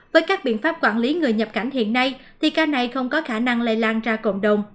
với các biện pháp quản lý người nhập cảnh hiện nay thì ca này không có khả năng lây lan ra cộng đồng